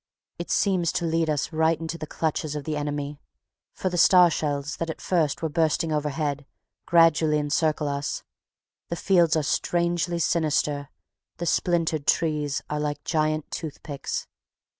It seems to lead us right into the clutch of the enemy; for the star shells, that at first were bursting overhead, gradually encircle us. The fields are strangely sinister; the splintered trees are like giant toothpicks.